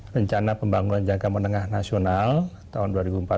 rencana pembangunan jangka menengah nasional tahun dua ribu empat belas dua ribu sembilan belas